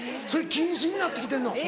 それ禁止になって来てんの？